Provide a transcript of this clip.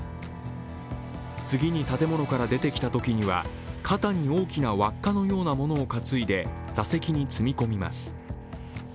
次に建物から出てきたときには、肩に大きな輪っかのようなものを担いで座席に積み込みます。